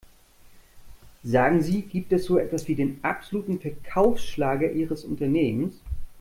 Sagen Sie, gibt es so etwas wie den absoluten Verkaufsschlager ihres Unternehmens?